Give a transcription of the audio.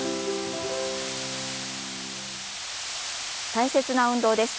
大切な運動です。